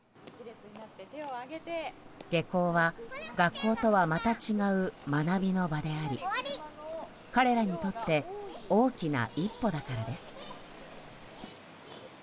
下校は学校とはまた違う学びの場であり彼らにとって大きな一歩だからです。